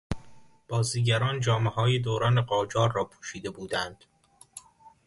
بازیگران جامههای دوران قاجار را پوشیده بودند.